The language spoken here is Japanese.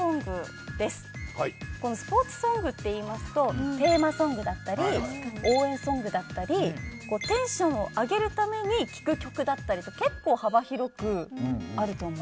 スポーツソングっていいますとテーマソングだったり応援ソングだったりテンションを上げるために聴く曲だったりと結構幅広くあると思うんです。